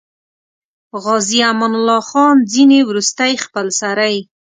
عازي امان الله خان ځینې وروستۍخپلسرۍ.